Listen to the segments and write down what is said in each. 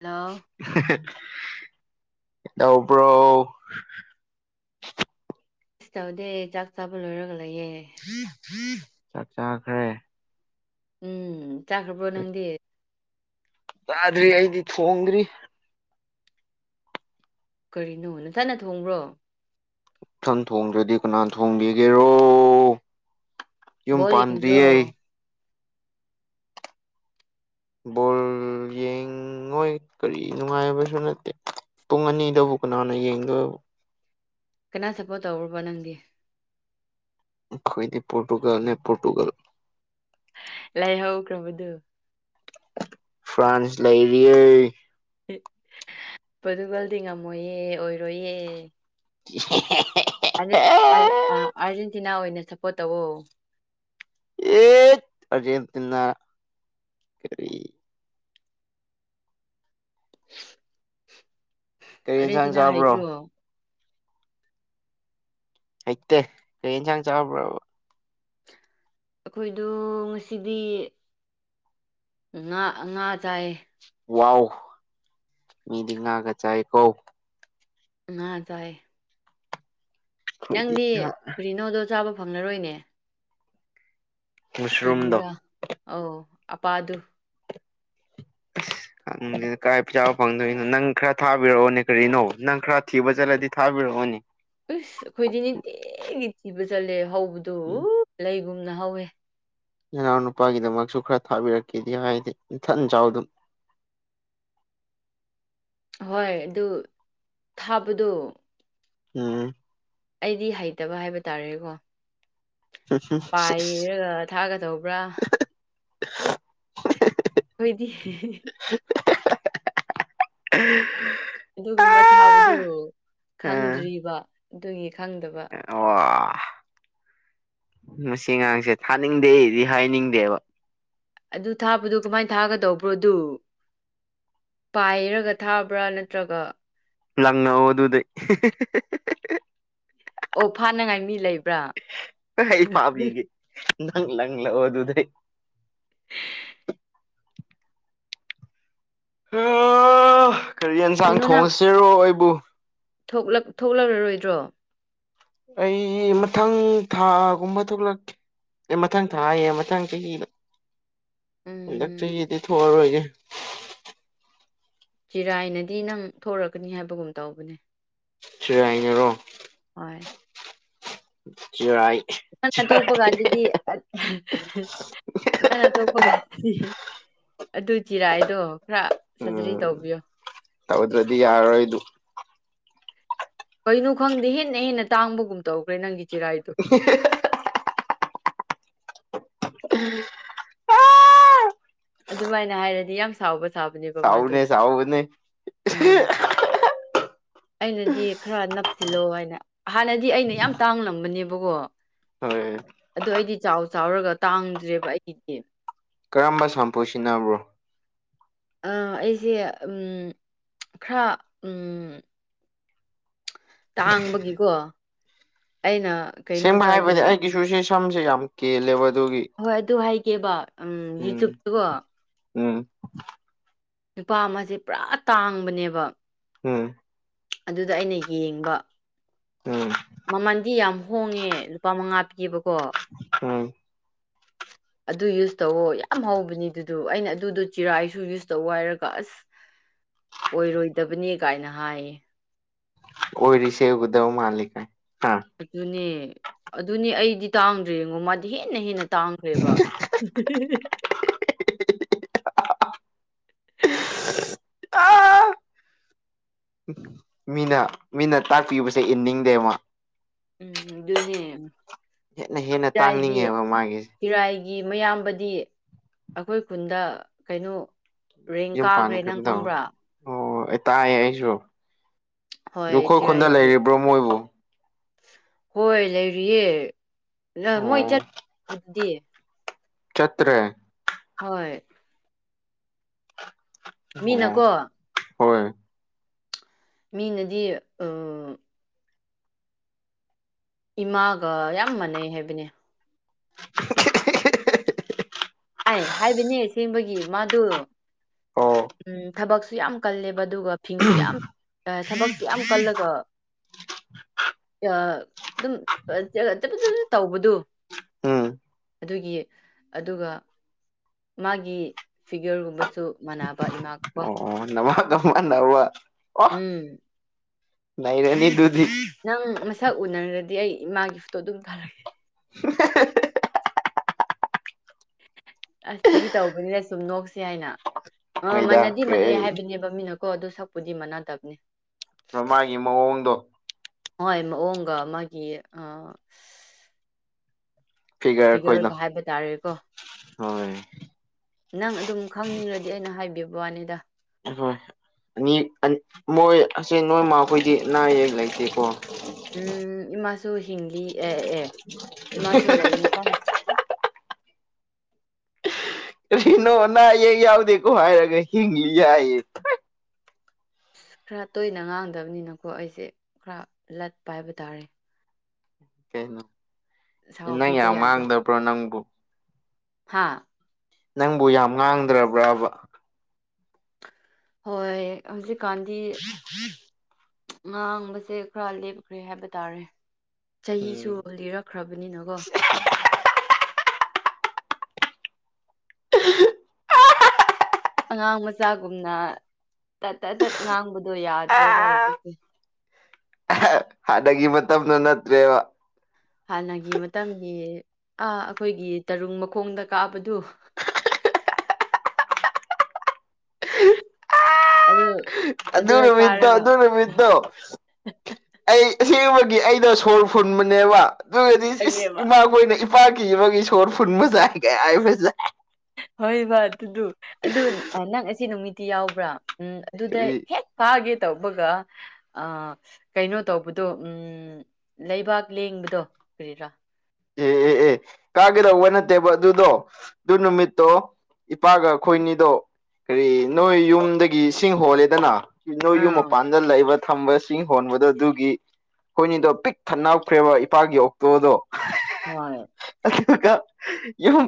Hello [unintelligible] ꯇꯧꯕ꯭ꯔꯣ ꯇꯧꯗꯦ ꯆꯥꯛ ꯆꯥꯕ ꯂꯣꯏꯔꯒ ꯂꯩꯌꯦ꯫ ꯆꯥꯛ ꯆꯥꯈ꯭ꯔꯦ ꯎꯝ ꯆꯥꯈ꯭ꯔꯕ꯭ꯔꯣ ꯅꯪꯗꯤ? ꯆꯥꯗ꯭ꯔꯤ ꯑꯩꯗꯤ ꯊꯣꯡꯗ꯭ꯔꯤ꯫ ꯀꯔꯤꯅꯣ ꯅꯊꯟꯅ ꯊꯣꯡꯕ꯭ꯔꯣ? ꯏꯊꯟ ꯊꯣꯡꯗ꯭ꯔꯗꯤ ꯀꯅꯥ ꯊꯣꯡꯕꯤꯒꯦꯔꯣ ꯌꯨꯝ ꯕꯣꯜ ꯌꯦꯡꯗ꯭ꯔꯣ ꯄꯥꯟꯗ꯭ꯔꯤꯌꯦ꯫ ꯕꯣꯜ ꯌꯦꯡ ꯉꯣꯏ ꯀꯔꯤ ꯅꯨꯡꯉꯥꯏꯕꯁꯨ ꯅꯠꯇꯦ ꯄꯨꯡ ꯑꯅꯤꯗꯕꯨ ꯀꯅꯥꯅ ꯌꯦꯡꯗꯣꯏꯕ? ꯀꯅꯥ ꯁꯞꯄꯣꯔꯠ ꯇꯧꯕ꯭ꯔꯕ ꯅꯪꯗꯤ? ꯑꯈꯣꯏꯗꯤ ꯄꯣꯔꯇꯨꯒꯜ ꯅꯦ ꯄꯣꯔꯇꯨꯒꯜ꯫ ꯂꯩꯍꯧ ꯈ꯭ꯔꯕꯗꯨ ꯐ꯭ꯔꯥꯟꯁ ꯂꯩꯔꯤꯌꯦ ꯄꯣꯔꯇꯨꯒꯜꯗꯤ ꯉꯝꯃꯣꯏꯌꯦ ꯑꯣꯏꯔꯣꯏꯌꯦ [unintelligible] ꯑꯦ ꯑꯔꯖꯦꯟꯇꯤꯅꯥ ꯑꯣꯏꯅ ꯁꯞꯄꯣꯔꯠ ꯇꯧꯋꯣ꯫ ꯑꯦ ꯑꯔꯖꯦꯟꯇꯤꯅꯥ ꯀꯔꯤ ꯀꯔꯤ ꯌꯦꯟꯁꯥꯡ ꯑꯥꯔꯖꯦꯟꯇꯤꯅꯥ ꯆꯥꯕ꯭ꯔꯣ? ꯍꯩꯇ꯭ꯔꯣ ꯍꯩꯇꯦ ꯀꯔꯤ ꯌꯦꯟꯁꯥꯡ ꯆꯥꯔꯕ꯭ꯔꯕ? ꯑꯩꯈꯣꯏꯗꯣ ꯉꯁꯤꯗꯤ ꯉꯥ ꯉꯥ ꯆꯥꯏꯌꯦ꯫ ꯋꯥꯎ! ꯃꯤꯗꯤ ꯉꯥꯒ ꯆꯥꯏ ꯀꯣ꯫ ꯉꯥ ꯆꯥꯏ꯫ ꯑꯩꯈꯣꯏꯗꯤ ꯅꯪꯗꯤ ꯉꯥ ꯀꯔꯤꯅꯣꯗꯣ ꯆꯥꯕ ꯐꯪꯂꯔꯣꯏꯅꯦ꯫ ꯃꯨꯁꯔꯨꯝꯗꯣ ꯀꯔꯤꯔ ꯑꯧ ꯑꯄꯥꯗꯨ [unintelligible] ꯀꯥꯏ ꯆꯥꯕ ꯐꯪꯗꯣꯏꯅꯣ ꯅꯪ ꯈꯔ ꯊꯥꯕꯤꯔꯛꯑꯣꯅꯦ ꯀꯔꯤꯅꯣ ꯅꯪ ꯈꯔ ꯊꯤꯕ ꯆꯠꯂꯗꯤ ꯊꯥꯕꯤꯔꯛꯑꯣꯅꯦ꯫ ꯑꯁ ꯑꯩꯈꯣꯏꯗꯤ ꯅꯨꯡꯇꯤꯒꯤ ꯊꯤꯕ ꯆꯠꯂꯦ ꯍꯧꯕꯗꯨ ꯎꯝ ꯂꯩꯒꯨꯝꯅ ꯍꯧꯋꯦ꯫ ꯏꯅꯥꯎ ꯅꯨꯄꯥꯒꯤꯗꯃꯛꯁꯨ ꯈꯔ ꯊꯥꯕꯤꯔꯛꯀꯦꯗꯤ ꯍꯥꯏꯗꯦ ꯏꯊꯟ ꯆꯥꯎ ꯑꯗꯨꯝ ꯍꯣꯏ ꯑꯗꯨ ꯊꯥꯕꯗꯣ ꯎꯝ ꯑꯩꯗꯤ ꯍꯩꯇꯕ ꯍꯥꯏꯕ ꯇꯥꯔꯦꯀꯣ ꯄꯥꯏꯔꯒ ꯊꯥꯒꯗꯧꯕ꯭ꯔꯥ [unintelligible] ꯅꯣꯏꯗꯤ [unintelligible] [unintelligible] ꯑꯗꯨꯒꯨꯝꯕ ꯊꯥꯕꯗꯨ ꯈꯪꯗ꯭ꯔꯤꯕ ꯑꯗꯨꯒꯤ ꯈꯪꯗꯕ ꯑꯣ ꯃꯁꯤ ꯉꯥꯡꯁꯦ ꯊꯥꯅꯤꯡꯗꯦꯗꯤ ꯍꯥꯏꯅꯤꯡꯗꯦꯕ꯫ ꯑꯗꯨ ꯊꯥꯕꯗꯨꯣ ꯀꯃꯥꯏ ꯊꯥꯒꯗꯧꯕ꯭ꯔꯣ ꯑꯗꯨ? ꯄꯥꯏꯔꯒ ꯊꯥꯕ꯭ꯔꯥ ꯅꯠꯇ꯭ꯔꯒ ꯂꯪꯅꯧ ꯑꯗꯨꯗꯤ [unintelligible] ꯑꯣꯛ ꯐꯥꯅꯉꯥꯏ ꯃꯤ ꯂꯩꯕ꯭ꯔꯥ? ꯐꯥꯕꯤꯒꯦ ꯅꯪ ꯂꯪꯉꯛꯑꯣ ꯑꯗꯨꯗꯩ꯫ ꯀꯔꯤ ꯌꯦꯟꯁꯥꯡ ꯀꯩꯅꯣ ꯅꯪ ꯊꯣꯡꯉꯁꯤꯔꯣ ꯑꯩꯕꯨ꯫ ꯊꯣꯛꯂꯛ ꯊꯣꯛꯂꯛꯔꯔꯣꯏꯗ꯭ꯔꯣ? ꯑꯩ ꯃꯊꯪ ꯊꯥꯒꯨꯝꯕ ꯊꯣꯛꯂꯛꯀꯦ꯫ ꯑꯩ ꯃꯊꯪ ꯊꯥꯏꯌꯦ ꯃꯊꯪ ꯆꯍꯤꯗ ꯍꯟꯗꯛ ꯎꯝ ꯆꯍꯤꯗꯤ ꯊꯣꯛꯑꯔꯣꯏꯒꯦ ꯆꯤꯔꯥꯏꯅꯗꯤ ꯅꯪ ꯊꯣꯛꯂꯛꯀꯅꯤ ꯍꯥꯏꯕꯒꯨꯝ ꯇꯧꯕꯅꯦ ꯆꯤꯔꯥꯏꯅꯔꯣ ꯍꯣꯏ ꯆꯤꯔꯥꯏ ꯅꯪꯟꯅ ꯆꯤꯔꯥꯏ ꯊꯣꯛꯣꯛꯄ ꯀꯥꯟꯗꯗꯤ ꯅꯪꯟꯅ ꯇꯣꯛꯄ ꯀꯥꯟꯗꯗꯤ ꯑꯗꯨ ꯆꯤꯔꯥꯥꯏꯗꯣ ꯈꯔ ꯁꯔꯖꯔꯤ ꯎꯝ ꯇꯧꯕꯤꯌꯣ ꯇꯧꯗ꯭ꯔꯗꯤ ꯌꯥꯔꯔꯣꯏ ꯑꯗꯨ ꯀꯩꯅꯣ ꯈꯪꯗꯦ ꯍꯦꯟꯅ ꯍꯦꯟꯅ ꯇꯥꯡꯕꯒꯨꯝ ꯇꯧꯈ꯭ꯔꯦ ꯅꯪꯒꯤ ꯆꯤꯔꯥꯏꯗꯣ [unintelligible] ꯎꯝ [unintelligible] ꯑꯗꯨꯃꯥꯏꯅ ꯍꯥꯏꯔꯗꯤ ꯌꯥꯝ ꯁꯥꯎꯕ ꯁꯥꯕꯅꯦꯕ ꯃꯥꯗꯣ ꯁꯥꯎꯕꯅꯦ ꯁꯥꯎꯕꯅꯦ ꯎꯝ ꯑꯩꯅꯗꯤ ꯈꯔ ꯅꯞꯁꯤꯜꯂꯣ ꯍꯥꯏꯅ ꯍꯥꯟꯅꯗꯤ ꯑꯩꯅ ꯌꯥꯝ ꯇꯥꯡꯂꯝꯕꯅꯦꯕꯀꯣ ꯍꯣꯏ ꯑꯗꯨ ꯑꯩꯗꯤ ꯆꯥꯎ ꯆꯥꯎꯔꯒ ꯇꯥꯡꯗ꯭ꯔꯦꯕ ꯑꯩꯒꯤꯗꯤ ꯀꯔꯝꯕ ꯁꯝꯄꯨ ꯁꯤꯖꯤꯟꯅꯕ꯭ꯔꯣ ꯑꯥ ꯑꯩꯁꯦ ꯎꯝ ꯈꯔ ꯇꯥꯡꯕꯒꯤꯀꯣ ꯑꯩꯅ ꯑꯦꯡꯕ ꯀꯩꯅꯣꯗ ꯍꯥꯏꯕꯅꯦ ꯌꯦꯡ ꯑꯩꯒꯤꯁꯨ ꯁꯤ ꯁꯝꯁꯦ ꯌꯥꯝ ꯀꯦꯜꯂꯦꯕ ꯑꯗꯨꯒꯤ ꯍꯣꯏ ꯑꯗꯨ ꯍꯥꯏꯒꯦꯕ ꯎꯝ ꯎꯝ ꯅꯨꯄꯥ ꯑꯃꯁꯦ ꯄꯨꯔꯥ ꯇꯥꯡꯕꯅꯦꯕ ꯎꯝ ꯑꯗꯨꯗ ꯑꯩꯅ ꯌꯦꯡꯕ ꯎꯝ ꯃꯃꯟꯗꯤ ꯌꯥꯝ ꯍꯣꯡꯉꯦ ꯂꯨꯄꯥ ꯃꯉꯥ ꯄꯤꯕꯀꯣ ꯎꯝ ꯑꯗꯨ ꯌꯨꯁ ꯇꯧꯋꯣ ꯌꯥꯝ ꯍꯥꯎꯕꯅꯤ ꯑꯗꯨꯗꯨ ꯑꯩꯅ ꯑꯗꯨꯗꯣ ꯆꯤꯔꯥꯏꯁꯨ ꯌꯨꯁ ꯇꯧ ꯍꯥꯏꯔꯒ ꯑꯁ ꯑꯣꯏꯔꯣꯏꯗꯕꯅꯤ ꯀꯥꯏꯅ ꯍꯥꯏꯌꯦ ꯑꯣꯏꯔꯤꯁꯦꯒꯗꯧ ꯃꯥꯜꯂꯤ ꯀꯥꯏ ꯑꯗꯨꯅꯦ ꯑꯗꯨꯅꯦ ꯑꯩꯗꯤ ꯇꯥꯡꯗ꯭ꯔꯦ ꯌꯦꯉꯣ ꯃꯥꯗꯤ ꯍꯦꯟꯅ ꯍꯦꯟꯅ ꯇꯥꯪꯈꯔ꯭ꯦꯕꯥ [unintelligible] [unintelligible] ꯃꯤꯅ ꯃꯤꯅ ꯇꯥꯛꯄꯤꯕꯁꯦ ꯏꯟꯅꯤꯡꯗꯦꯃꯥ ꯑꯗꯨꯅꯦ ꯍꯦꯟꯅ ꯍꯦꯟꯅ ꯇꯥꯡꯅꯤꯡꯉꯦꯕ ꯃꯥꯒꯤꯁꯦ ꯏꯔꯥꯏꯒꯤ ꯃꯌꯥꯝꯕꯗꯤ ꯑꯩꯈꯣꯏ ꯈꯨꯟꯗ ꯀꯩꯅꯣ ꯔꯦꯡ ꯌꯨꯝ ꯀꯥꯈ꯭ꯔꯦ ꯅꯪ ꯄꯥꯟꯈ꯭ꯔꯕꯗꯣ ꯈꯪꯕ꯭ꯔꯥ ꯑꯣ ꯑꯩ ꯇꯥꯌꯦ ꯑꯩꯁꯨ ꯑꯗꯨ ꯍꯣꯏ ꯑꯩꯈꯣꯏ ꯈꯨꯟꯗ ꯆꯤꯔꯥꯏꯒꯤ ꯂꯩꯔꯤꯕ꯭ꯔꯣ ꯃꯣꯏꯕꯨ ꯍꯣꯏ ꯂꯩꯔꯤꯌꯦ ꯃꯣꯏ ꯑꯣ ꯆꯠꯗꯤ ꯆꯠꯇ꯭ꯔꯦ ꯍꯣꯏ ꯃꯤꯅꯀꯣ ꯑꯣ ꯍꯣꯏ ꯃꯤꯅꯗꯤ ꯑꯥ ꯏꯃꯥꯒ ꯌꯥꯝ ꯃꯥꯟꯅꯩ ꯍꯥꯏꯕꯅꯦ ꯑꯩ ꯍꯥꯏꯕꯅꯦ ꯑꯁꯦꯡꯕꯒꯤ ꯃꯥꯗꯣ ꯑꯣ ꯎꯝ ꯊꯕꯛꯁꯨ ꯌꯥꯝ ꯀꯜꯂꯦꯕ ꯑꯗꯨꯒ ꯐꯤꯡꯁꯨ ꯌꯥꯝ ꯊꯕꯛꯁꯨ ꯌꯥꯝ ꯀꯜꯂꯒ ꯑꯗꯨꯝ [unintelligible] ꯇꯧꯕꯗꯨ ꯎꯝ ꯑꯗꯨꯒꯤ ꯑꯗꯨꯒ ꯃꯥꯒꯤ ꯐꯤꯒꯔꯒꯨꯝꯕꯁꯨ ꯃꯅꯕ ꯏꯃꯥꯒꯀꯣ ꯑꯣ ꯑꯣ ꯅꯃꯟ ꯅꯃꯟꯅꯕ ꯑꯣ ꯎꯝ ꯅꯩꯔꯅꯤꯗꯨꯗꯤ ꯅꯪ ꯃꯁꯛ ꯎꯅꯔꯗꯤ ꯑꯩ ꯏꯃꯥꯒꯤ ꯐꯣꯇꯣ ꯑꯗꯨꯝ ꯊꯔꯛꯀꯦ ꯑꯁ ꯐꯒꯤ ꯇꯧꯕꯅꯤꯅ ꯁꯨꯝ ꯅꯣꯛꯁꯦ ꯍꯥꯏꯅ ꯑ ꯅꯣꯏꯗ ꯃꯅꯗꯤ ꯃꯥꯟꯅꯩ ꯀꯩ ꯍꯥꯏꯕꯅꯦꯕ ꯃꯤꯅ ꯀꯣ ꯑꯗꯣ ꯁꯛꯄꯨꯗꯤ ꯃꯅꯥꯗꯕꯅꯦ ꯃꯥꯒꯤ ꯃꯑꯣꯡꯗꯣ ꯍꯣꯏ ꯃꯑꯣꯡꯒ ꯃꯥꯒꯤ ꯑ ꯐꯤꯒꯔ ꯑꯩꯈꯣꯏꯗꯣ ꯐꯤꯒꯔꯒ ꯍꯥꯏꯕ ꯇꯥꯔꯦꯀꯣ ꯍꯣꯏ ꯅꯪ ꯑꯗꯨꯝ ꯈꯪꯅꯤꯡꯔꯥꯗꯤ ꯑꯩꯅ ꯍꯥꯏꯕꯤꯕ ꯋꯥꯅꯤꯗ ꯑꯍꯣꯏ ꯑꯅꯤ ꯃꯣꯏ ꯑꯁꯦ ꯅꯣꯏꯃꯥꯥ ꯈꯣꯏꯗꯤ ꯑꯅꯥ ꯑꯌꯦꯛ ꯂꯩꯇꯦꯀꯣ ꯎꯝ ꯏꯃꯥꯁꯨ ꯍꯤꯡꯂꯤ ꯑꯦ ꯑꯦ ꯏꯃꯥꯁꯨ ꯂꯩꯌꯦ ꯀꯥꯟꯅ ꯀꯔꯤꯅꯣ ꯑꯅꯥ ꯑꯌꯦꯛ ꯌꯥꯎꯗꯦꯀꯣ ꯍꯥꯏꯔꯒ ꯍꯤꯡꯉꯤ ꯒꯥꯏꯌꯦ ꯑꯁ ꯈꯔ ꯇꯣꯏꯅ ꯉꯥꯡꯗꯝꯅꯤꯅꯀꯣ ꯑꯩꯁꯦ ꯈꯔ ꯂꯠꯄ ꯍꯥꯏꯕ ꯇꯥꯔꯦ ꯀꯩꯅꯣ ꯅꯪ ꯁꯥꯎꯕꯤꯕ ꯌꯥꯝ ꯉꯥꯡꯗꯕ꯭ꯔꯣ ꯅꯪꯕꯨ ꯍꯥꯥ ꯅꯪꯕꯨ ꯌꯥꯝ ꯉꯥꯡꯗ꯭ꯔꯕ꯭ꯔꯕ ꯍꯣꯏ ꯍꯧꯖꯤꯛꯀꯥꯟꯗꯤ ꯉꯥꯡꯕꯁꯦ ꯈꯔ ꯂꯦꯞꯈ꯭ꯔꯦ ꯍꯥꯏꯕ ꯇꯥꯔꯦ ꯆꯍꯤꯁꯨ ꯎꯝ ꯂꯤꯔꯛꯈ꯭ꯔꯕꯅꯤꯅꯀꯣ [inaudible] ꯑꯉꯥꯡ ꯃꯆꯥꯒꯨꯝꯅ ꯇꯠ ꯇꯠ ꯇꯠ ꯉꯥꯡꯕꯗꯣ ꯌꯥꯗ꯭ꯔꯦꯕ ꯑꯥ ꯍꯧꯖꯤꯛꯇꯤ ꯍꯥꯟꯅꯒꯤ ꯃꯇꯝꯗꯣ ꯅꯠꯇ꯭ꯔꯦꯕ ꯍꯥꯟꯅꯒꯤ ꯃꯇꯝꯒꯤ ꯑ ꯑꯩꯈꯣꯏꯒꯤ ꯇꯔꯨꯡ ꯃꯈꯣꯡꯗ ꯀꯥꯕꯗꯨ ꯑꯗꯨ ꯑꯗꯨ ꯑꯗꯨꯗ ꯅꯨꯃꯤꯠꯇꯣ ꯀꯥꯔꯒ ꯑꯗꯨ ꯅꯨꯃꯤꯠꯇꯣ ꯑꯩ ꯑꯁꯦꯡꯕꯒꯤ ꯑꯩꯗꯣ ꯁꯣꯔ ꯐꯨꯟꯕꯅꯦꯕ ꯑꯗꯨꯒꯗꯤ ꯏꯁ ꯈꯪꯉꯦꯕ ꯏꯃꯥꯈꯣꯏꯅ ꯏꯄꯥꯛꯀꯤꯕꯒꯤ ꯁꯣꯔ ꯐꯨꯟꯕ ꯖꯥꯏ ꯀꯥꯏ ꯍꯥꯏꯕꯖꯥꯏ ꯍꯣꯏꯕ ꯑꯗꯨꯗꯨ ꯑꯗꯨ ꯅꯪ ꯑꯁꯤ ꯅꯨꯃꯤꯠꯇꯤ ꯌꯥꯎꯕ꯭ꯔꯥ ꯎꯝ ꯑꯗꯨꯗ ꯀꯔꯤ ꯍꯦꯛ ꯐꯥꯒꯦ ꯇꯧꯕꯒ ꯑ ꯀꯩꯅꯣ ꯇꯧꯕꯗꯣ ꯎꯝ ꯂꯩꯕꯥꯛ ꯂꯦꯡꯕꯗꯣ ꯀꯔꯤꯔꯥ ꯑꯦ ꯑꯦ ꯑꯦ ꯀꯥꯒꯗꯧꯕ ꯅꯠꯇꯦꯕ ꯑꯗꯨꯗꯣ ꯑꯗꯨ ꯅꯨꯃꯤꯠꯇꯣ ꯏꯄꯥꯒ ꯑꯩꯈꯣꯏꯅꯤꯗꯣ ꯀꯔꯤ ꯅꯣꯏ ꯌꯨꯝꯗꯒꯤ ꯁꯤꯡ ꯍꯣꯜꯂꯤꯗꯅ ꯅꯣꯏ ꯌꯨꯝ ꯑꯥ ꯃꯄꯥꯟꯗ ꯂꯩꯕ ꯊꯝꯕꯁꯤꯡ ꯍꯣꯟꯕꯗ ꯑꯗꯨꯒꯤ ꯑꯩꯈꯣꯏꯅꯤꯗꯣ ꯄꯤꯛ ꯊꯟꯅ ꯈꯥꯞꯈꯔꯦꯕ ꯏꯄꯥꯒꯤ ꯑꯣꯛꯇꯣꯗꯣ ꯍꯣꯏ ꯑꯗꯨꯒ ꯌꯨꯝ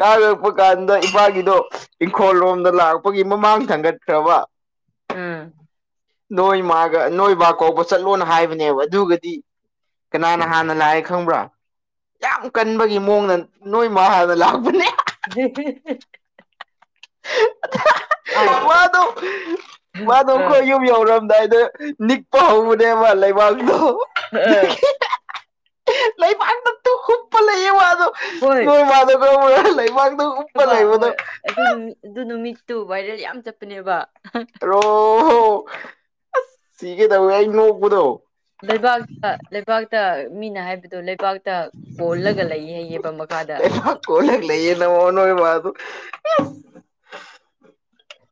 ꯀꯥꯔꯛꯄ ꯀꯥꯟꯗ ꯏꯄꯥꯒꯤꯗꯣ ꯏꯪꯈꯣꯜ ꯂꯣꯝꯗ ꯂꯥꯛꯄꯒꯤ ꯃꯃꯥꯡ ꯊꯥꯡꯒꯠꯈ꯭ꯔꯕ [inaudible] ꯎꯝ ꯅꯣꯏ ꯃꯥꯒ ꯅꯣꯏ ꯕꯥ ꯀꯧꯕ ꯆꯠꯂꯣꯅ ꯍꯥꯏꯕꯅꯦꯕ ꯑꯗꯨꯒꯗꯤ ꯀꯅꯥꯅ ꯍꯥꯟꯅ ꯂꯥꯛꯑꯦ ꯈꯪꯕ꯭ꯔꯥ ꯌꯥꯝ ꯀꯟꯕꯒꯤ ꯃꯑꯣꯡꯗ ꯅꯣꯏ ꯃꯥ ꯍꯟꯅꯥ ꯂꯥꯛꯄꯅꯦ [unintelligible] ꯑꯥꯏ ꯃꯗꯣ ꯃꯗꯣ ꯈꯣꯏ ꯑꯥ ꯌꯨꯝ ꯌꯧꯔꯝꯗꯥꯏꯗ ꯅꯤꯛꯄ ꯍꯧꯕꯅꯦꯕ ꯂꯩꯕꯥꯛꯇꯣ ꯑꯥ ꯂꯩꯕꯥꯛꯇ ꯇꯨ ꯍꯨꯞꯄ ꯂꯩꯌꯦ ꯋꯥꯗꯣ ꯍꯣꯏ ꯅꯣꯏ ꯃꯥꯗꯣ [unintelligible] ꯂꯩꯕꯥꯛꯇ ꯍꯣꯏ ꯑꯗꯨ ꯅꯨꯃꯤꯠ ꯑꯗꯨ ꯅꯨꯃꯤꯠꯇꯨ ꯚꯥꯏꯔꯦꯜ ꯌꯥꯝ ꯆꯠꯄꯅꯦꯕ꯫ ꯔꯣ ꯑꯁ ꯁꯤꯒꯦ ꯇꯧꯋꯦ ꯑꯩ ꯅꯣꯛꯄꯗꯣ꯫ ꯂꯩꯕꯥꯛꯇ ꯂꯩꯕꯥꯛꯇ ꯃꯤꯅ ꯍꯥꯏꯕꯗꯣ꯫ ꯂꯩꯕꯥꯛꯇ ꯀꯣꯜꯂꯒ ꯂꯩꯌꯦ ꯌꯦꯕ ꯃꯈꯥꯗ [unintelligible] ꯅꯣꯏ ꯃꯥꯗꯨ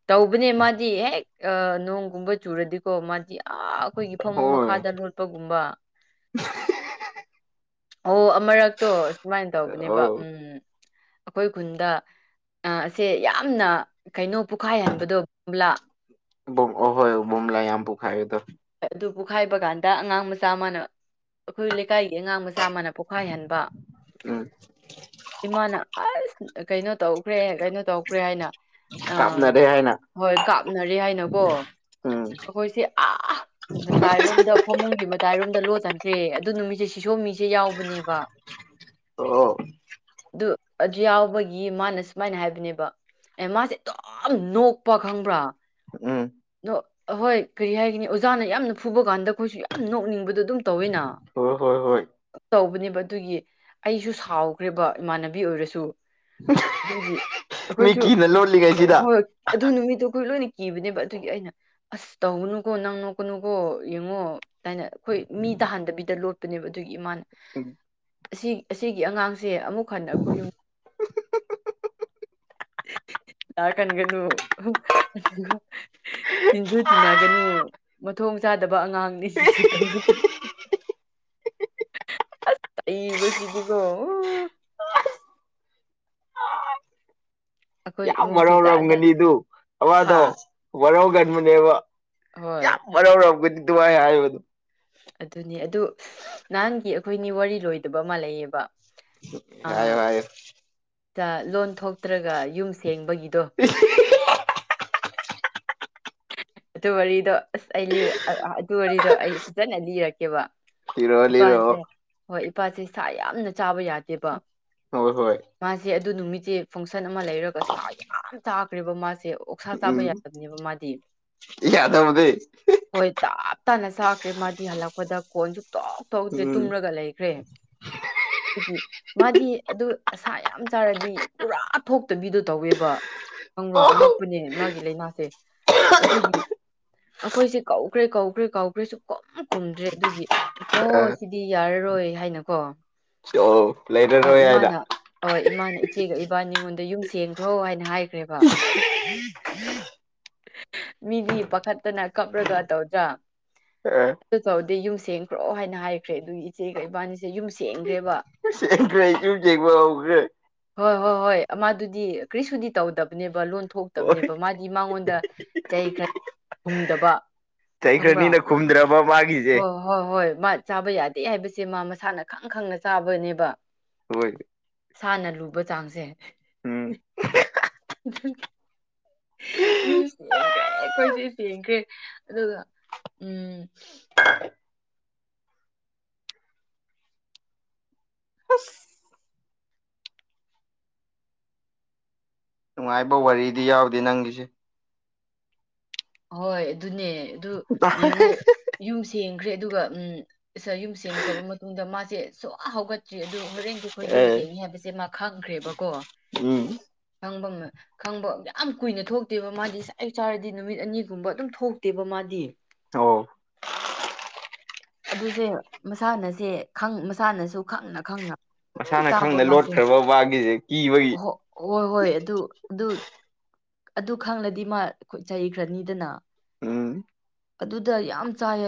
ꯇꯧꯕꯅꯦ ꯃꯥꯗꯤ ꯍꯦꯛ ꯑ ꯅꯣꯡꯒꯨꯝꯕ ꯆꯨꯔꯗꯤꯀꯣ ꯃꯥꯗꯤ ꯑꯥ ꯑꯩꯈꯣꯏꯒꯤ ꯐꯃꯨꯡ ꯍꯣꯏ ꯃꯈꯥꯗ ꯂꯣꯠꯄꯒꯨꯝꯕ ꯑꯣ ꯑꯃꯔꯛꯇꯣ ꯁꯨꯃꯥꯏ ꯇꯧꯕꯅꯦꯕ ꯑꯧ ꯎꯝ ꯑꯩꯈꯣꯏ ꯈꯨꯟꯗ ꯑꯁꯦ ꯌꯥꯝꯅ ꯀꯩꯅꫭ ꯄꯨꯈꯥꯏꯍꯟꯕꯗꯣ ꯕꯥꯂꯥ ꯕꯨꯡ ꯑꯈꫭꯏ ꯑꯕꯨꯝꯂꯥꯏ ꯌꯥꯝ ꯄꯣꯈꯥꯏꯌꯦꯗ ꯑꯗꯨ ꯄꯣꯛꯈꯥꯏꯕ ꯀꯥꯟꯗ ꯑꯉꯥꯡ ꯃꯆꯥ ꯑꯃꯅ ꯑꯩꯈꯣꯏ ꯂꯩꯀꯥꯏꯒꯤ ꯑꯉꯥꯡ ꯃꯆꯥ ꯑꯃꯅ ꯄꯣꯈꯥꯏꯍꯟꯕ ꯎꯝ ꯏꯃꯥꯅ ꯑꯁ ꯀꯩꯅꯣ ꯇꯧꯈ꯭ꯔꯦ ꯀꯩꯅꯣ ꯇꯧꯈ꯭ꯔꯦ ꯍꯥꯏꯅ ꯑ ꯀꯥꯞꯅꯔꯦ ꯍꯥꯏꯅ ꯃꫭꯏ ꯀꯥꯞꯅꯔꯦ ꯍꯥꯏꯅꯀꯣ ꯎꯝ ꯑꯩꯈꯣꯏꯁꯦ ꯑ ꯃꯇꯥꯏꯔꯣꯝꯗ ꯐꯃꯨꯡꯒꯤ ꯃꯇꯥꯏꯔꯣꯝꯗ ꯂꯣꯠꯅꯈ꯭ꯔꯦ ꯑꯗꯨ ꯅꯨꯃꯤꯠꯁꯦ ꯁꯤ ꯁꯣꯝꯃꯤ ꯁꯦ ꯌꯥꯎꯕꯅꯦꯕ ꯑꯣ ꯑꯗꯨ ꯑꯗꯨ ꯌꯥꯎꯕꯒꯤ ꯃꯥꯅ ꯁꯨꯃꯥꯏꯅ ꯍꯥꯏꯕꯅꯦꯕ ꯑꯦ ꯃꯥꯁꯦ ꯑꯗꯨꯝ ꯅꯣꯛꯄ ꯈꯪꯕ꯭ꯔꯥ ꯎꯝ ꯑꯗꫭ ꯍꯣꯏ ꯀꯔꯤ ꯍꯥꯏꯒꯅꯤ ꯑꯣꯖꯥꯅ ꯌꯥꯝꯅ ꯐꯨꯕ ꯀꯥꯟꯗ ꯑꯩꯈꯣꯏꯁꯨ ꯌꯥꯝꯅ ꯅꯣꯛꯅꯤꯡꯕꯗꯣꯗꯨꯝ ꯇꯧꯋꯤꯅ ꯍꯣꯏ ꯍꯣꯏ ꯍꯣꯏ ꯇꯧꯕꯅꯦꯕ ꯑꯗꯨꯒꯤ ꯑꯩꯁꯨ ꯁꯥꯎꯈ꯭ꯔꯦꯕ ꯏꯃꯥꯟꯅꯕꯤ ꯑꯣꯏꯔꯁꯨ ꯑꯗꯨꯒꯤ ꯑꯩꯈꯣꯏꯁꯨ ꯃꯤꯀꯤꯅ ꯑꯣ ꯂꯣꯠꯂꯤꯉꯩꯁꯤꯗ ꯍꯣꯏ ꯑꯗꯨ ꯅꯨꯃꯤꯠꯇꯨ ꯑꯩꯈꯣꯏ ꯂꯣꯏꯅ ꯀꯤꯕꯅꯦꯕ ꯑꯗꯨꯒꯤ ꯑꯩꯅ ꯑꯁ ꯇꯧꯒꯅꯨꯀꯣ ꯅꯪ ꯅꯣꯛꯀꯅꯨꯀꯣ ꯌꯦꯡꯉꯣ ꯑꯗꯥꯏꯅ ꯑꯩꯈꯣꯏ ꯃꯤ ꯇꯥꯍꯟꯗꯕꯤꯗ ꯂꯣꯠꯄꯅꯦꯕ ꯑꯗꯨꯒꯤ ꯏꯃꯥꯅ ꯑꯁꯤ ꯑꯁꯤꯒꯤ ꯑꯉꯥꯡꯁꯦ ꯑꯃꯨꯛ ꯍꯟꯅ ꯑꯩꯈꯣꯏ ꯌꯨꯝ ꯂꯥꯛꯍꯟꯒꯅꯨ ꯑꯗꯨꯒ ꯇꯤꯟꯖꯨ ꯇꯤꯟꯅꯒꯅꯨ ꯃꯊꯣꯡ ꯆꯥꯗꯕ ꯑꯉꯥꯡꯅꯤ ꯁꯤꯁꯤ ꯇꯧꯔꯒ [unintelligible] ꯑꯁ ꯑꯩ ꯃꯁꯤꯗꯤꯀꯣ ꯑꯩꯈꯣꯏ ꯏꯃꯨꯡꯁꯦ ꯖꯥꯠ ꯖꯥꯠ ꯇꯧꯔꯝꯒꯅꯤꯗꯨ ꯍꯥ ꯑꯃꯗꯣ ꯋꯥꯔꯧꯒꯟꯕꯅꯦꯕ ꯍꯣꯏ ꯌꯥꯝ ꯋꯥꯔꯧꯔꯝꯒꯅꯤ ꯑꯗꯨꯃꯥꯏꯅ ꯍꯥꯏꯕꯗꯨ ꯑꯗꯨꯅꯦ ꯑꯗꯨ ꯅꯍꯥꯟꯒꯤ ꯑꯩꯈꯣꯏꯅꯤ ꯋꯥꯔꯤ ꯂꯣꯏꯗꯕ ꯑꯃ ꯂꯩꯌꯦꯕ ꯍꯥꯏꯌꯣ ꯍꯥꯏꯌꯣ ꯑꯥ ꯂꯣꯟ ꯊꯣꯛꯇ꯭ꯔꯒ ꯌꯨꯝ ꯁꯦꯡꯕꯒꯤꯗꯣ꯫ [unintelligible] ꯑꯗꯨ ꯋꯥꯔꯤꯗꯣ ꯑꯁ ꯂꯤꯔ ꯑꯗꯨ ꯋꯥꯔꯤꯗꯣ ꯑꯩ ꯐꯖꯅ ꯂꯤꯔꯛꯀꯦꯕ ꯂꯤꯔꯛꯑꯣ ꯏꯄꯥꯁꯦ ꯂꯤꯔꯛꯑꯣ ꯍꯣꯏ ꯏꯄꯥꯁꯦ ꯁꯥ ꯌꯥꯝꯅ ꯆꯥꯕ ꯌꯥꯗꯦꯕ ꯍꯣꯏ ꯍꯣꯏ ꯃꯥꯁꯦ ꯑꯗꯨ ꯅꯨꯃꯤꯠꯁꯦ ꯐꯪꯁꯟ ꯑꯃ ꯂꯩꯔꯒ ꯁꯥ ꯌꯥꯝ ꯆꯥꯈ꯭ꯔꯦꯕ ꯃꯥꯁꯦ ꯑꯣꯛꯁꯥ ꯆꯥꯕ ꯌꯥꯗꯕꯅꯦꯕ ꯃꯥꯗꯤ꯫ ꯌꯥꯗꯕꯅꯤ ꯍꯣꯏ ꯇꯥꯞ ꯇꯥꯅ ꯆꯥꯈ꯭ꯔꯦ ꯃꯥꯗꯤ ꯍꯜꯂꯛꯄꯗ ꯐꯣꯟꯁꯨ ꯇꯣꯛ ꯇꯣꯛꯖꯦ ꯎꯝ ꯇꯨꯝꯔꯒ ꯂꯩꯈ꯭ꯔꯦ ꯑꯩꯒꯤ ꯃꯥꯗꯤ ꯑꯗꯨ ꯑꯁꯥ ꯌꯥꯝ ꯆꯥꯔꯗꯤ ꯄꯨꯔꯥ ꯊꯣꯛꯇꯕꯤꯗꯨ ꯇꯧꯋꯦꯕ ꯈꯪꯕ꯭ꯔꯣ ꯑꯣ ꯑꯉꯛꯄꯅꯤ ꯃꯥꯒꯤ ꯂꯩꯅꯥꯁꯦ ꯑꯗꯨꯒꯤ ꯑꯩꯈꯣꯏꯁꯦ ꯀꯧꯈ꯭ꯔꯦ ꯀꯧꯈ꯭ꯔꯦ ꯀꯧꯈ꯭ꯔꯦ ꯁꯨꯡꯈꯨꯝ ꯈꯨꯝꯗ꯭ꯔꯦ ꯑꯗꯨꯒꯤ ꯑꯣ ꯑ ꯁꯤꯗꯤ ꯌꯥꯔꯔꯣꯏ ꯍꯥꯏꯅꯀꯣ ꯑꯣ ꯑꯣ ꯂꯩꯔꯔꯣꯏ ꯍꯥꯏꯅ ꯏꯃꯥꯅ ꯍꯣꯏ ꯏꯃꯥꯅ ꯏꯆꯦꯒ ꯏꯕꯥꯅꯤꯉꯣꯟꯗ ꯌꯨꯝ ꯁꯦꯡꯈ꯭ꯔꯣ ꯍꯥꯏꯅ ꯍꯥꯏꯈ꯭ꯔꯦꯕ [unintelligible] ꯃꯤꯗꯤ ꯄꯥꯈꯠꯇꯅ ꯀꯞꯔꯒ ꯇꯧꯗ꯭ꯔꯥ ꯑꯥ ꯑꯗꯨ ꯇꯧꯔꯗꯤ ꯌꯨꯝ ꯁꯦꯡꯈ꯭ꯔꯣ ꯍꯥꯏꯅ ꯍꯥꯏꯈ꯭ꯔꯦ ꯑꯗꯨꯒꯤ ꯏꯆꯦꯒ ꯏꯕꯥꯅꯤꯁꯦ ꯌꯨꯝ ꯁꯦꯟꯒ꯭ꯔꯦꯕ [unintelligible] ꯌꯨꯝ ꯁꯦꯡꯕ ꯍꯧꯈ꯭ꯔꯦ ꯍꯣꯏ ꯍꯣꯏ ꯍꯣꯏ ꯑꯃꯥꯗꯨꯗꯤ ꯀ꯭ꯔꯤꯁꯨꯨꯗꯤ ꯇꯧꯗꯕꯅꯦꯕ ꯂꯣꯟ ꯍꯣꯏ ꯊꯣꯛꯇꯕꯅꯦꯕ ꯃꯥꯗꯤ ꯃꯉꯣꯟꯗ ꯗꯥ ꯆꯍꯤ ꯈꯔ ꯍꯨꯝꯗꯕ ꯈꯪꯕ꯭ꯔꯥ ꯆꯩꯈ꯭ꯔꯅꯤꯅ ꯈꯨꯝꯗ꯭ꯔꯕ ꯃꯥꯏ ꯍꯣꯏ ꯍꯣꯏ ꯍꯣꯏ ꯃꯥ ꯆꯥꯕ ꯌꯥꯗꯦ ꯍꯥꯏꯕꯁꯦ ꯃꯥ ꯃꯁꯥꯅ ꯈꯪ ꯈꯪꯅ ꯆꯥꯕꯅꯦꯕ ꯍꯣꯏ ꯁꯥꯅ ꯂꯨꯕ ꯆꯥꯡꯁꯦ ꯎꯝ [unintelligible] ꯌꯨꯝ ꯁꯦꯡꯈ꯭ꯔꯦ ꯑꯩꯈꯣꯏꯁꯦ ꯁꯦꯡꯈ꯭ꯔꯦ ꯑꯗꯨꯒ ꯎꯝ ꯑꯁ ꯅꯨꯡꯉꯥꯏꯕ ꯋꯥꯔꯤꯗꯤ ꯌꯥꯎꯗꯦ ꯅꯪꯒꯤꯁꯦ ꯍꯣꯏ ꯑꯗꯨꯅꯦ ꯑꯗꯨ ꯌꯦꯡꯉꯣ ꯌꯨꯝ ꯁꯦꯡꯈ꯭ꯔꯦ ꯑꯗꯨꯒ ꯎꯝ ꯏꯁ ꯌꯨꯝ ꯁꯦꯝꯈ꯭ꯔꯕ ꯃꯇꯨꯡꯗ ꯃꯥꯁꯦ ꯁꯨꯍꯧ ꯍꯧꯒꯠ ꯆꯤ ꯑꯗꯨ ꯍꯣꯔꯦꯟꯗꯤ ꯑꯩꯈꯣꯏ ꯌꯨꯝ ꯑꯦ ꯁꯦꯡꯏ ꯍꯥꯏꯕꯁꯦ ꯃꯥ ꯈꯪꯈ꯭ꯔꯦꯕꯀꯣ ꯎꯝ ꯈꯪꯕ ꯈꯪꯕ ꯌꯥꯝ ꯀꯨꯏꯅ ꯊꯣꯛꯇꯦꯕ ꯃꯥꯗꯤ ꯑꯩ ꯆꯥꯔꯗꯤ ꯅꯨꯃꯤꯠ ꯑꯅꯤꯒꯨꯝꯕ ꯑꯗꯨꯝ ꯊꯣꯛꯇꯦꯕ ꯃꯥꯗꯤ ꯑꯣ ꯑꯗꯨꯁꯦ ꯃꯁꯥꯟꯅꯁꯦ ꯃꯁꯥꯅꯁꯨ ꯈꯪꯅ ꯈꯪꯅ ꯑꯗꯨꯝ ꯃꯁꯥꯅ ꯆꯥꯕ ꯈꯪꯅ ꯃꯥꯁꯦ ꯂꯣꯠꯈ꯭ꯔꯕ ꯋꯥꯒꯤꯁꯦ ꯀꯤꯕꯒꯤ ꯍꯣ ꯍꯣꯏ ꯍꯣꯏ ꯑꯗꯨ ꯑꯗꯨ ꯑꯗꯨ ꯈꯪꯂꯗꯤ ꯃꯥ ꯆꯩꯈ꯭ꯔꯅꯤꯗꯅ ꯎꯝ ꯑꯗꯨꯗ ꯌꯥꯝ ꯆꯥꯏꯌꯦ